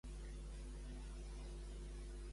Què és el tresor d'Egina?